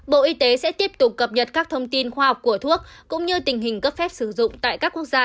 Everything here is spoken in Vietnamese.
bộ y tế sẽ tiếp tục cập nhật các thông tin khoa học của thuốc cũng như tình hình cấp phép sử dụng tại các quốc gia